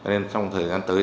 nên trong thời gian tới